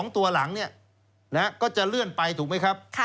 ๒ตัวหลังก็จะเลื่อนไปถูกไหมครับ